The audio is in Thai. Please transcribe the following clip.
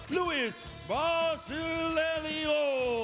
ลูอีสฟาซิเลลีโอ